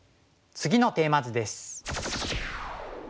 次のテーマ図です。